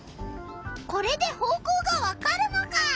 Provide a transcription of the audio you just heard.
これで方向がわかるのか！